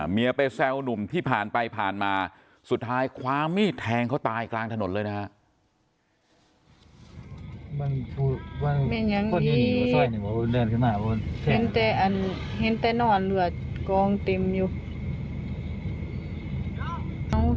ไปแซวหนุ่มที่ผ่านไปผ่านมาสุดท้ายคว้ามีดแทงเขาตายกลางถนนเลยนะฮะ